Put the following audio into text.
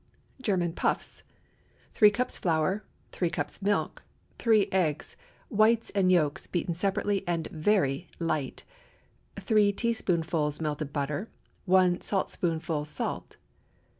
GERMAN PUFFS. ✠ 3 cups flour. 3 cups milk. 3 eggs—whites and yolks beaten separately and very light. 3 teaspoonfuls melted butter. 1 saltspoonful salt.